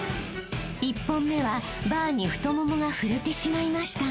［１本目はバーに太ももが触れてしまいました］